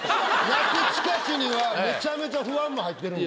「夏近し」にはめちゃめちゃ不安も入ってるんで。